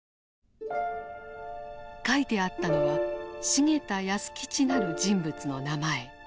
書いてあったのは「繁田保吉」なる人物の名前。